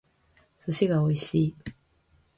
寿司が美味しい